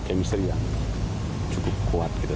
kami seriang cukup kuat kita